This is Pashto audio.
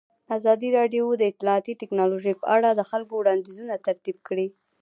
ازادي راډیو د اطلاعاتی تکنالوژي په اړه د خلکو وړاندیزونه ترتیب کړي.